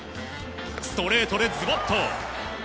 ストレートでズバッと。